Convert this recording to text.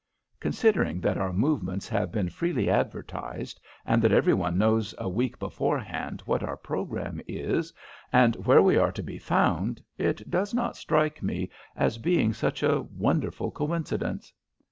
"Considering that our movements have been freely advertised, and that every one knows a week beforehand what our programme is, and where we are to be found, it does not strike me as being such a wonderful coincidence."